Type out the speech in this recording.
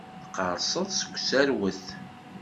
Teqqerṣeḍ seg userwet.